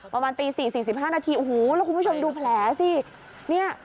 ประมาณตี๔๔๕นาทีโอ้โหแล้วคุณผู้ชมดูแผลสิเนี่ย